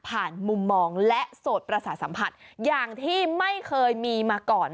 มุมมองและโสดประสาทสัมผัสอย่างที่ไม่เคยมีมาก่อน